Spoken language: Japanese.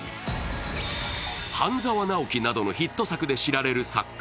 「半沢直樹」などのヒット作で知られる作家